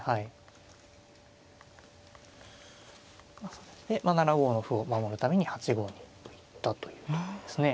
それで７五の歩を守るために８五に浮いたというところですね。